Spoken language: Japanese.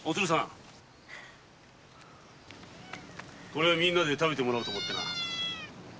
これみんなで食べてもらおうと思って。